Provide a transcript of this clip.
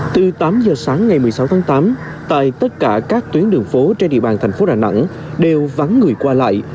từ tám giờ sáng ngày một mươi sáu tháng tám tại tất cả các tuyến đường phố trên địa bàn thành phố đà nẵng đều vắng người qua lại